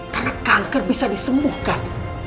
karena kanker bisa disembuhkan